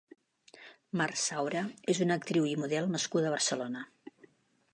Mar Saura és una actriu i model nascuda a Barcelona.